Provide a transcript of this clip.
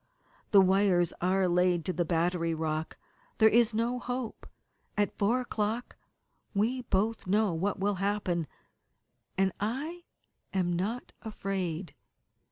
The wires are laid to the battery rock. There is no hope. At four o'clock we both know what will happen. And I am not afraid."